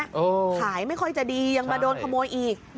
สามารถไม่ค่อยจะดีอ่ะยังมาโดนขโมยอีก